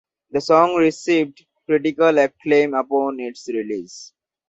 The song received critical acclaim upon its release.